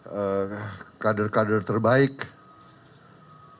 dan kita memilih kader kader terbaik untuk memiliki kemampuan yang berbeda